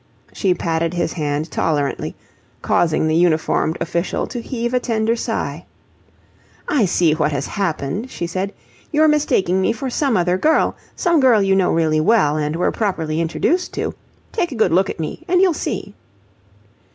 She patted his hand tolerantly, causing the uniformed official to heave a tender sigh. "I see what has happened," she said. "You're mistaking me for some other girl, some girl you know really well, and were properly introduced to. Take a good look at me, and you'll see."